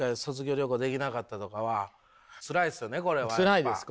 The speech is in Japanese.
つらいです